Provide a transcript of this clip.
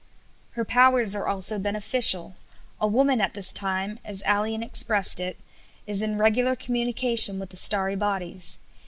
Her powers are also beneficial. A woman at this time, as Ælian expressed it, is in regular communication with the starry bodies.